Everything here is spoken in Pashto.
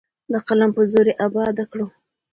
د قلم په زور یې اباده کړو.